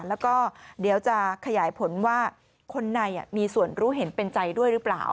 แล้วก็เดี๋ยวจะขยายผลว่าคนในมีส่วนรู้เห็นเป็นใจด้วยหรือเปล่า